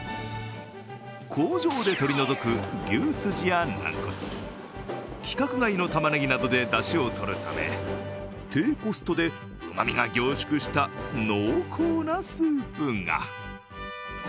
工場で取り除く牛すじや軟骨規格外のたまねぎなどでだしをとるため低コストでうまみが凝縮した濃厚なスープが。